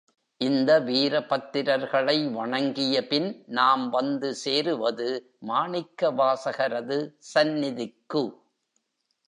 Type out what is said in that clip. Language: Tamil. இந்த வீரபத்திரர்களை வணங்கியபின் நாம் வந்து சேருவது மாணிக்கவாசகரது சந்நிதிக்கு.